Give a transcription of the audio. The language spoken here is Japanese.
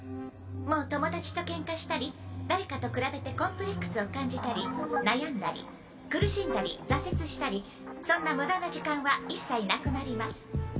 もう友達とケンカしたり誰かと比べてコンプレックスを感じたり悩んだり苦しんだり挫折したりそんな無駄な時間は一切なくなります。